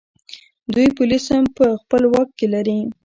دوی پولیس هم په خپل واک کې لري